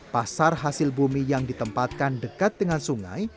pasar hasil bumi yang ditempatkan dekat dengan sungai